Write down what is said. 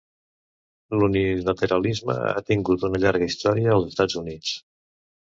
L'unilateralisme ha tingut una llarga història als Estats Units.